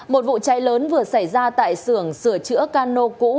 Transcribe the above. một vụ cháy lớn vừa xảy ra tại sưởng sửa chữa cano cũ